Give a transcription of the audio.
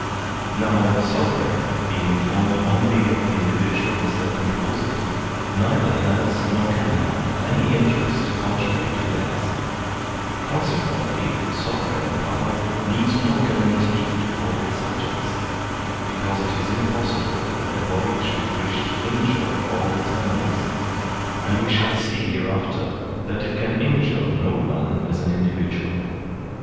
Now, the sovereign, being formed only of the indi viduals that compose it, neither has nor can have any interest contrary to theirs; consequently the sovereign power needs no guarantee toward its subjects, because it is impossible that the body should wish to injure all its members; and we shall see hereafter that it can injure no one as an individual.